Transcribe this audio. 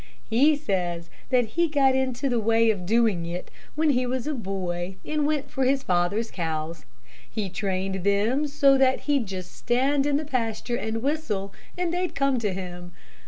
He says that he got into the way of doing it when he was a boy and went for his father's cows. He trained them so that he'd just stand in the pasture and whistle, and they'd come to him.